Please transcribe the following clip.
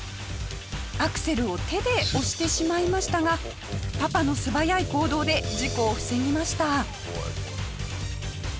アクセルを手で押してしまいましたがパパの素早い行動で事故を防ぎました。